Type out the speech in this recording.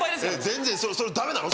全然それダメなの？